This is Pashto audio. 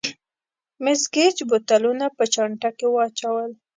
مېس ګېج بوتلونه په چانټه کې واچول.